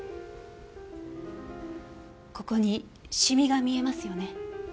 ここにシミが見えますよね？